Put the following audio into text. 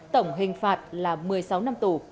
tổng hình phạt là một mươi sáu năm tù